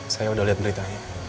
saya udah lihat berita